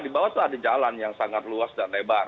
di bawah itu ada jalan yang sangat luas dan lebar